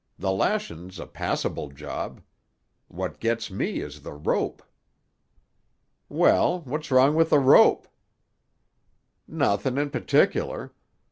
The lashin's a passable job. What gits me is the rope." "Well, what's wrong with the rope?" "Nothin' in pertic'ler.